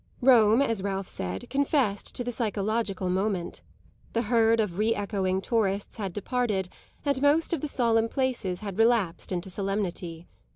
Rome, as Ralph said, confessed to the psychological moment. The herd of reechoing tourists had departed and most of the solemn places had relapsed into solemnity.